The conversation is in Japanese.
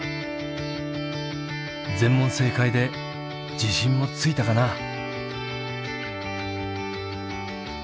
全問正解で自信もついたかな。